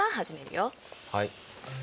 はい。